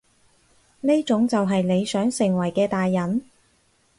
呢種就係你想成為嘅大人？